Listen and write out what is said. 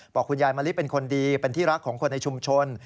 บอกคุณยายมะลิเป็นคนดีเป็นที่รักของคนในชุมชน